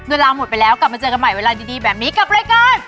เวลาหมดไปแล้วกลับมาเจอกันใหม่เวลาดีแบบนี้กับรายการ